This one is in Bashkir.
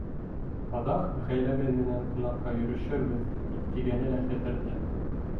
Аҙаҡ ғаиләбеҙ менән ҡунаҡҡа йөрөшөрбөҙ тигәне лә хәтерҙә.